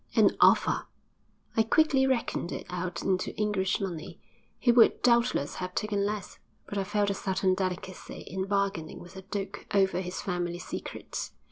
An offer! I quickly reckoned it out into English money. He would doubtless have taken less, but I felt a certain delicacy in bargaining with a duke over his family secrets....